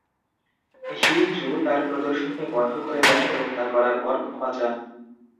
হি-জু তার প্রদর্শনী বন্ধ করে দেন এবং তা করার পর ক্ষমা চান।